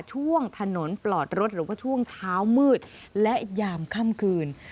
ช่วงถนนปลอดรถหรือว่าช่วงเช้ามืดและยามค่ำคืน